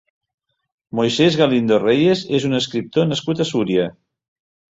Moisés Galindo Reyes és un escriptor nascut a Súria.